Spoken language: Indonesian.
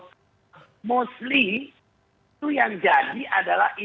mostly itu yang jadi adalah